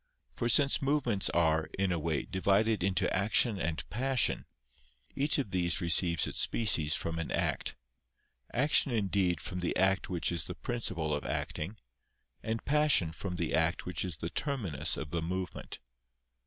For since movements are, in a way, divided into action and passion, each of these receives its species from an act; action indeed from the act which is the principle of acting, and passion from the act which is the terminus of the movement.